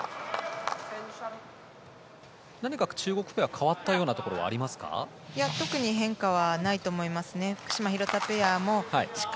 中国ペア、変わったようなところありますか？